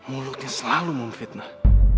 mulutnya selalu memfitnah